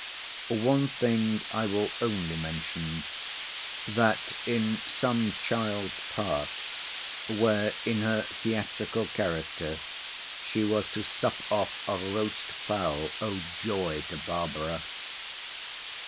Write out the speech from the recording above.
One thing I will only mention, that in some child's part, where in her theatrical character she was to sup off a roast fowl (O joy to Barbara!)